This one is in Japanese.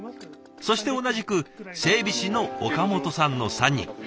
そして同じく整備士の岡本さんの３人。